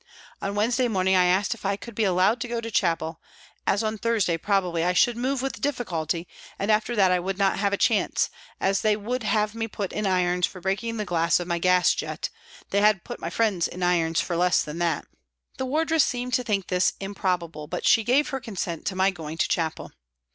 On Wednesday morning I asked if I could be allowed 284 PRISONS AND PRISONERS to go to chapel, as on Thursday, probably, I should move with difficulty and after that I would not have a chance, as they would have me put in irons for breaking the glass of my gas jet they had put my friends in irons for less than that. The wardress seemed to think this improbable, but she gave her consent to my going to chapel.